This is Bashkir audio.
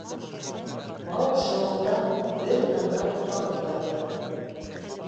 Бау шыуыуҙан бер тынға туҡталып торҙо.